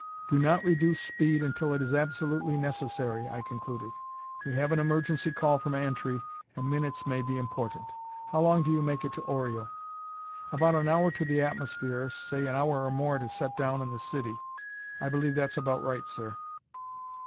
"Do not reduce speed until it is absolutely necessary," I concluded. "We have an emergency call from Antri, and minutes may be important. How long do you make it to Oreo?" "About an hour to the atmosphere; say an hour more to set down in the city. I believe that's about right, sir."